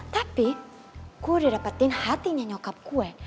tapi gue udah dapetin hatinya nyokap gue